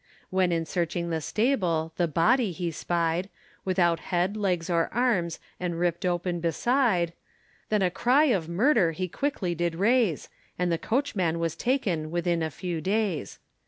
When in searching the stable the body he spied, Without head, legs, or arms, and ript open beside, Then a cry of murder he quickly did raise, And the coachman was taken within a few days.